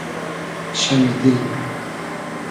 شئمی دیل